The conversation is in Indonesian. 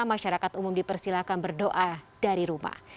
masyarakat umum dipersilakan berdoa dari rumah